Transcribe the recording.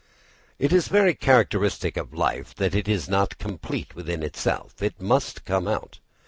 It is very characteristic of life that it is not complete within itself; it must come out.